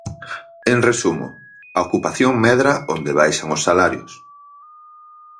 En resumo, a ocupación medra onde baixan os salarios.